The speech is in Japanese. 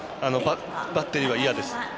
バッテリーは嫌です。